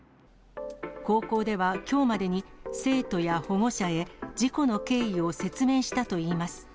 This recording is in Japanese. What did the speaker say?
高校では、きょうまでに生徒や保護者へ事故の経緯を説明したといいます。